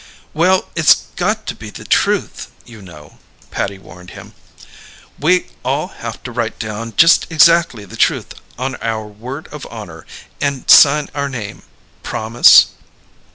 "Well, it's got to be the truth, you know," Patty warned them. "We all haf to write down just exackly the truth on our word of honour and sign our name. Promise?"